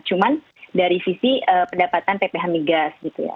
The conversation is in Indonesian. cuma dari sisi pendapatan pph migas gitu ya